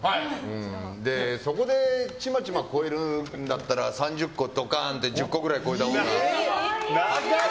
で、そこでちまちま超えるんだったら３０個ドカーンって１０個ぐらい超えたら。